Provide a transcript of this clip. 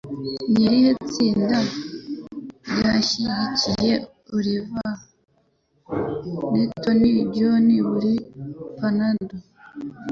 Ni irihe tsinda ryashyigikiye Olivia Newton John kuri panadu?